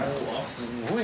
すごいね！